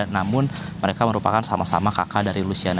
namun mereka merupakan sama sama kakak dari luciana